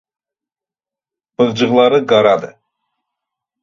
Bığcıqları qaradır.